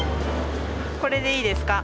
これでいいですか？